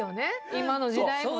今の時代もね。